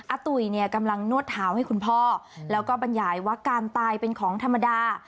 ตุ๋ยเนี่ยกำลังนวดเท้าให้คุณพ่อแล้วก็บรรยายว่าการตายเป็นของธรรมดา